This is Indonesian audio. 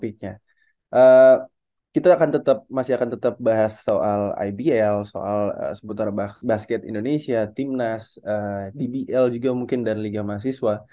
kita masih akan tetap bahas soal ibl basket indonesia timnas dbl dan liga mahasiswa